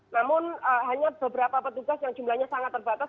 namun hanya beberapa petugas yang jumlahnya sangat terbatas